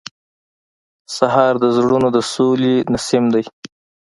سهار د زړونو د سولې نسیم دی.